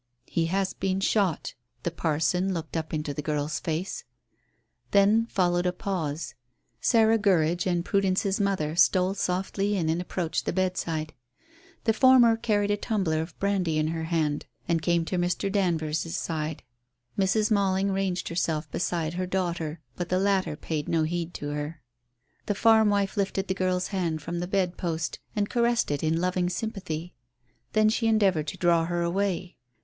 "He has been shot." The parson looked up into the girl's face. Then followed a pause. Sarah Gurridge and Prudence's mother stole softly in and approached the bedside. The former carried a tumbler of brandy in her hand and came to Mr. Danvers's side; Mrs. Malling ranged herself beside her daughter, but the latter paid no heed to her. The farm wife lifted the girl's hand from the bedpost and caressed it in loving sympathy. Then she endeavoured to draw her away.